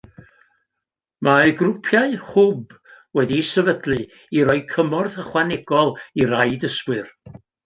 Mae grwpiau hwb wedi eu sefydlu i roi cymorth ychwanegol i rai dysgwyr